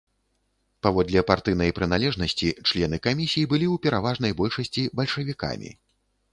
Паводле партыйнай прыналежнасці члены камісій былі ў пераважнай большасці бальшавікамі.